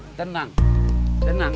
silent bu tenang